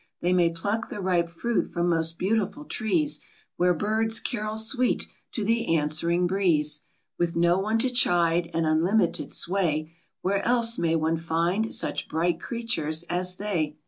They may pluck the ripe fruit from most beautiful trees, Where birds carol sweet to the answering breeze ; With no one to chide, and unlimited sway; Where else may one find such bright creatures as they?